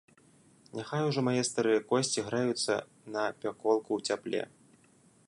Няхай ужо мае старыя косці грэюцца на пяколку ў цяпле!